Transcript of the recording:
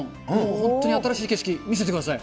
本当に新しい景色、見せてください。